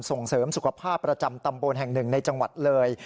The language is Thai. ส่งเสริมสุขภาพประจำตำบลแห่งหนึ่งในจังหวัดเลย